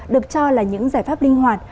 được cho là những giải pháp linh hoạt